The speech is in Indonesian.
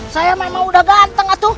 saya memang udah ganteng tuh